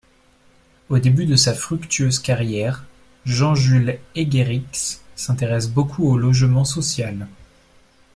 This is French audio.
Au début de sa fructueuse carrière, Jean-Jules Eggericx s'intéresse beaucoup au logement social.